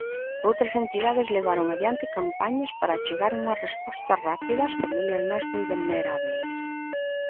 Outras entidades levaron adiante campañas para achegar unha resposta rápida ás familias máis vulnerábeis.